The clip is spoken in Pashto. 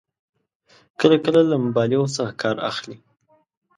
کله کله له مبالغو څخه کار اخلي.